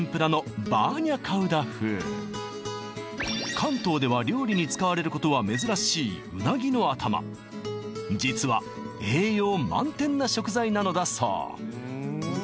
関東では料理に使われることは珍しいうなぎの頭実は栄養満点な食材なのだそう